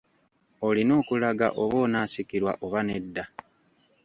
Olina okulaga oba onaasikirwa oba nedda.